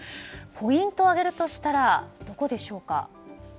ポイントを挙げるとしたらどこでしょうか。